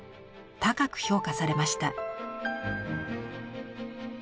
高く評価されました。